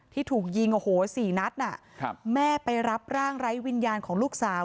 ที่ถูกยิงโอ้โหสี่นัดแม่ไปรับร่างไร้วิญญาณของลูกสาว